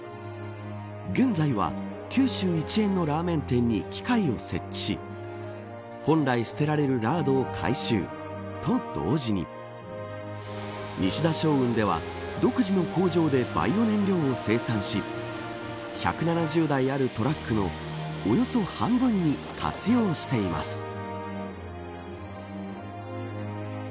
現在は九州一円のラーメン店に機械を設置し本来、捨てられるラードを回収と同時に西田商運では独自の工場でバイオ燃料を生産し１７０台があるトラックのおよそ半分に活用しています。